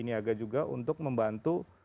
niaga juga untuk membantu